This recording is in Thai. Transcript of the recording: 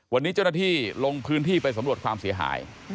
วันนี้เจ้าหน้าที่ลงพื้นที่ไปสำรวจความเสียหาย